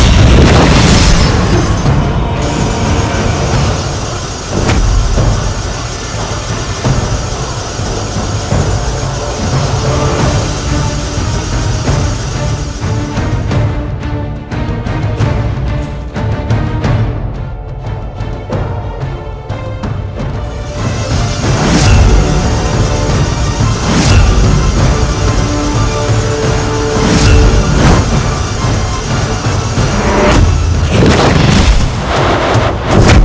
jangan bercepat curah